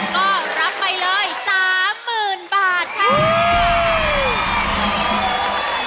ก็รับไปเลย๓๐๐๐๐บาทค่ะ